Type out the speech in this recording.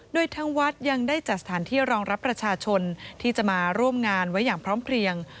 โดยทั้งวัดยังได้จัดสถานที่รองรับประชาชนที่จะมาร่วมงานไว้อย่างพร้อมเพลียง